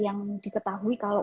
yang diketahui kalau